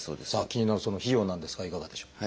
気になるその費用なんですがいかがでしょう？